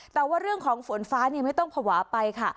แต่ว่าเรื่องของฝนฟ้าไม่ต้องภาวะไปค่ะ